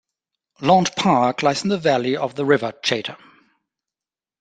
Launde Park lies in the valley of the River Chater.